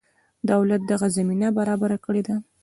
دولت دغه زمینه برابره کړې ده.